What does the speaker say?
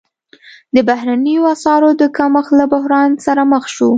د بهرنیو اسعارو د کمښت له بحران سره مخ شو.